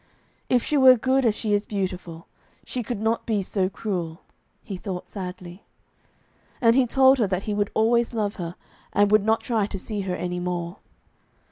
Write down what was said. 'If she were good as she is beautiful, she could not be so cruel,' he thought sadly. And he told her that though he would always love her, he would not try to see her any more.